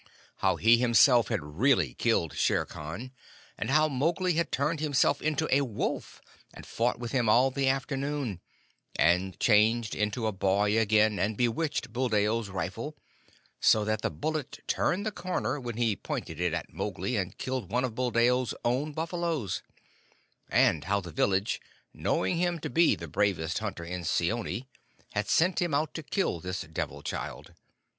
How he himself had really killed Shere Khan; and how Mowgli had turned himself into a wolf, and fought with him all the afternoon, and changed into a boy again and bewitched Buldeo's rifle, so that the bullet turned the corner, when he pointed it at Mowgli, and killed one of Buldeo's own buffaloes; and how the village, knowing him to be the bravest hunter in Seeonee, had sent him out to kill this Devil child.